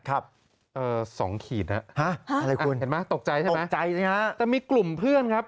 ครับอะไรคุณตกใจใช่ไหมแต่มีกลุ่มเพื่อนครับ